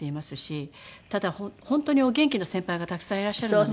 ただ本当にお元気な先輩がたくさんいらっしゃるのでね。